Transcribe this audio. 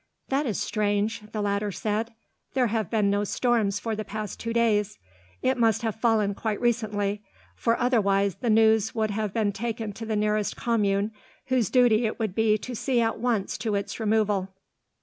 "That is strange," the latter said. "There have been no storms for the past two days. It must have fallen quite recently, for otherwise the news would have been taken to the nearest commune, whose duty it would be to see at once to its removal."